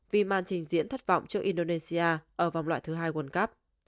vi màn trình diễn thất vọng trước indonesia ở vòng loại thứ hai world cup